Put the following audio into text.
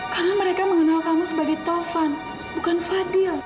karena mereka mengenal kamu sebagai taufan bukan fadil